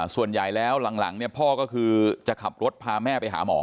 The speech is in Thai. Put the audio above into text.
ส่วนใหญ่แล้วหลังพ่อก็คือจะขับรถพาแม่ไปหาหมอ